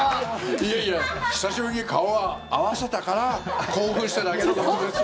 いやいや久しぶりに顔を合わせたから興奮しただけのことですよ。